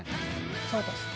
そうですね。